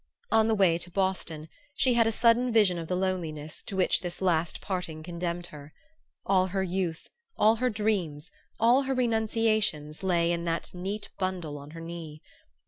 On the way to Boston she had a sudden vision of the loneliness to which this last parting condemned her. All her youth, all her dreams, all her renunciations lay in that neat bundle on her knee.